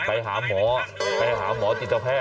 ไปหาหมอไปหาหมอจิตแพทย